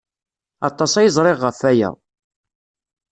Aṭas ay ẓriɣ ɣef waya.